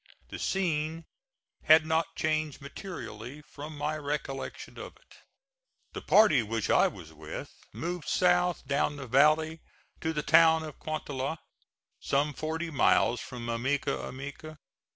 The scene had not changed materially from my recollection of it. The party which I was with moved south down the valley to the town of Cuantla, some forty miles from Ameca Ameca.